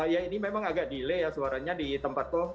ya ini memang agak delay ya suaranya di tempat tuh